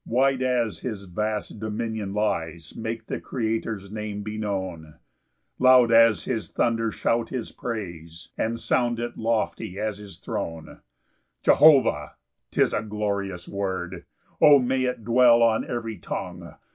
10 Wide as his vast dominion lies Make the Creator's name be known; Loud as his thunder shout his praise, And sound it lofty as his throne. 11 Jehovah! 'tis a glorious word, O may it dwell on every tongue!